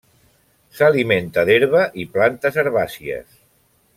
S'alimenta d'herba i plantes herbàcies.